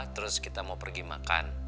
terus kita mau pergi makan